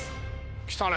来たね。